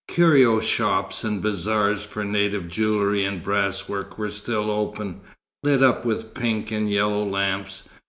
Curio shops and bazaars for native jewellery and brasswork were still open, lit up with pink and yellow lamps.